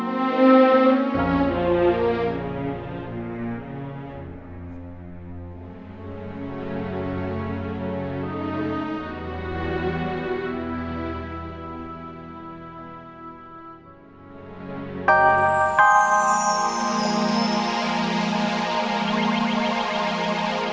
nanti kalau lu sakit siapa yang jagain tanti